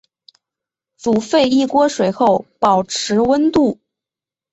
煮沸一锅水后保持温度。